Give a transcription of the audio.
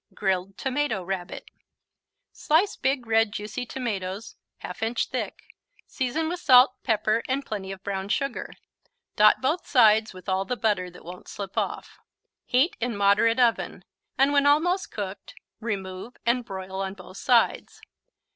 Grilled Tomato Rabbit Slice big, red, juicy tomatoes 1/2 inch thick, season with salt, pepper and plenty of brown sugar. Dot both sides with all the butter that won't slip off. Heat in moderate oven, and when almost cooked, remove and broil on both sides.